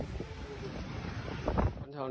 เท่านี้ครับ